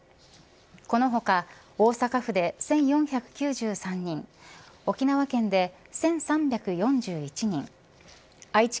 この他、大阪府で１４９３人沖縄県で１３４１人